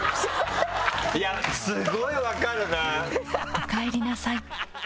おかえりなさい。